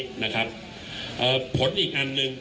คุณผู้ชมไปฟังผู้ว่ารัฐกาลจังหวัดเชียงรายแถลงตอนนี้ค่ะ